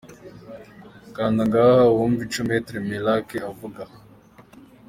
Kanda ngaha wumve ico Maitre Meillac avuga.